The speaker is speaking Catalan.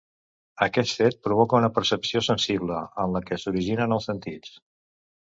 Aquest fet provoca una percepció sensible, en la que s'originen els sentits.